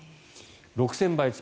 ６０００倍です。